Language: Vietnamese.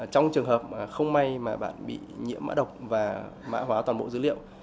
trong trường hợp không may mà bạn bị nhiễm mã độc và mã hóa toàn bộ dữ liệu